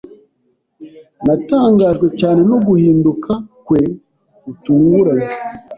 Natangajwe cyane no guhinduka kwe gutunguranye.